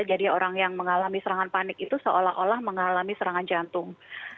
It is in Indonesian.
jadi orang yang mengalami serangan panik itu seolah olah mengalami serangan jantung